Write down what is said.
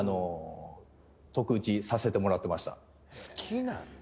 好きなんだ。